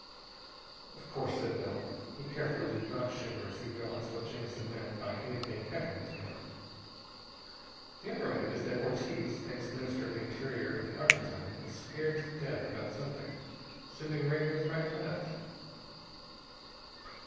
"Of course," said Bell. He carefully did not shiver as he realized what Jamison meant by anything happening to him. "The other item is that Ortiz, ex Minister of the Interior of the Argentine, is scared to death about something. Sending radios right and left."